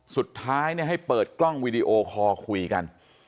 สุดท้ายให้เปิดกล้องวีดีโอคอลคุยกัน